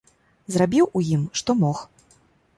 Зрабіў у ім, што мог.